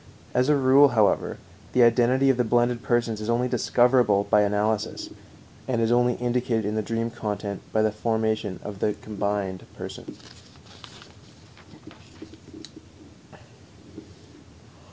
As a rule, however, the identity of the blended persons is only discoverable by analysis, and is only indicated in the dream content by the formation of the "combined" person.